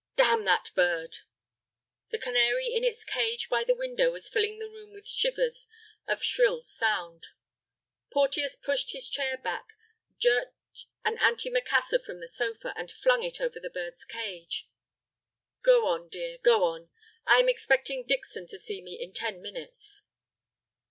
"Damn that bird!" The canary in its cage by the window was filling the room with shivers of shrill sound. Porteus pushed his chair back, jerked an antimacassar from the sofa, and flung it over the bird's cage. "Go on, dear, go on. I am expecting Dixon to see me in ten minutes."